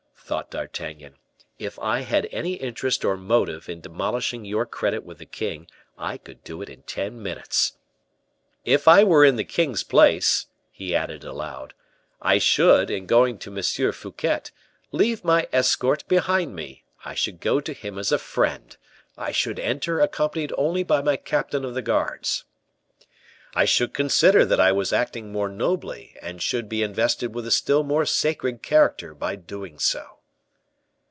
thought D'Artagnan; "if I had any interest or motive in demolishing your credit with the king, I could do it in ten minutes. If I were in the king's place," he added aloud, "I should, in going to M. Fouquet, leave my escort behind me; I should go to him as a friend; I should enter accompanied only by my captain of the guards; I should consider that I was acting more nobly, and should be invested with a still more sacred character by doing so."